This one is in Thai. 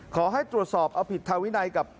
ขอให้ตรวจสอบเอาผิดทางวินัยกับ